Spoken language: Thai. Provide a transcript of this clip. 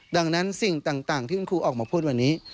ดังนั้นสิ่งต่างที่คุณครูออกมาพูดวันนี้